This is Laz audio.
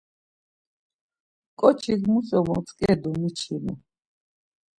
Ǩoçik muç̌o motzǩedu miçinu.